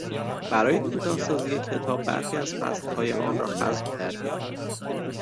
برای کوتاه سازی کتاب برخی از فصلهای آن را حذف کردهایم.